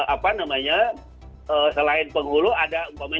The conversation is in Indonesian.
apa namanya selain penghulu ada umpamanya